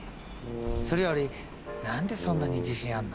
それより何でそんなに自信あんの？